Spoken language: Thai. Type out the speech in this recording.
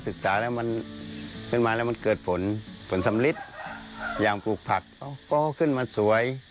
ศึกษาแล้วมันขึ้นมาแล้วมันเกิดผลผลสำลิดอย่างปลูกผักเขาก็ขึ้นมาสวย